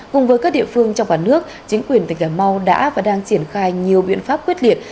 cùng với các địa phương trong cả nước chính quyền tỉnh cà mau đã và đang triển khai nhiều biện pháp quyết liệt